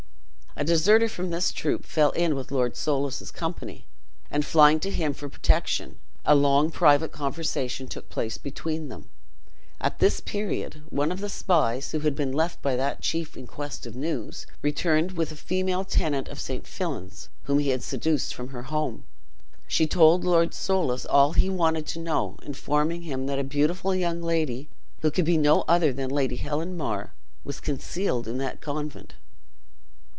A deserter from this troop fell in with Lord Soulis' company, and flying to him for protection, a long private conversation took place between them. At this period, one of the spies who had been left by that chief in quest of news, returned with a female tenant of St. Fillan's, whom he had seduced from her home. She told Lord Soulis all he wanted to know; informing him that a beautiful young lady, who could be no other than Lady Helen Mar, was concealed in that convent.